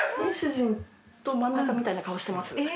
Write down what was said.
主人と真ん中みたいな顔してます。